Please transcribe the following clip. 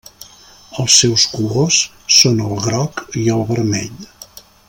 Els seus colors són el groc i el vermell.